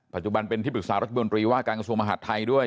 ปัจจุบันเป็นที่ปรึกษารังค์บิวิวัติกรับการคศมภัยไทยด้วย